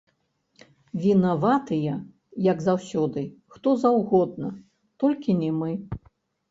Вінаватыя, як заўсёды, хто заўгодна, толькі не мы.